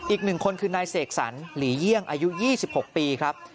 อีก๑คนคือนายเสกสรรหลีเยี่ยงอายุ๒๖ปีครับ